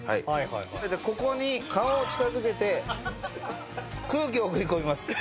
ここに顔を近づけて空気を送り込みます。